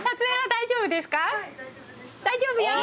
大丈夫よ。